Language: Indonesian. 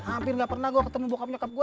hampir gak pernah gue ketemu bokap backup gue